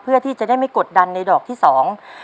เพื่อที่จะได้ไม่กดดันในดอกที่สอง